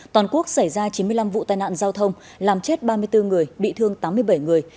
toàn quốc xảy ra chín mươi năm vụ tai nạn giao thông làm chết ba mươi bốn người bị thương tám mươi bảy người